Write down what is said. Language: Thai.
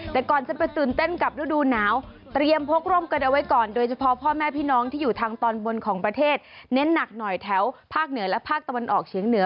แต่ก่อนจะไปตื่นเต้นกับฤดูหนาวเตรียมพกร่มกันเอาไว้ก่อนโดยเฉพาะพ่อแม่พี่น้องที่อยู่ทางตอนบนของประเทศเน้นหนักหน่อยแถวภาคเหนือและภาคตะวันออกเฉียงเหนือ